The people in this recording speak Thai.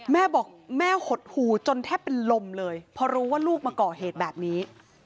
แม่บอกแม่หดหูจนแทบเป็นลมเลยเพราะรู้ว่าลูกมาก่อเหตุแบบนี้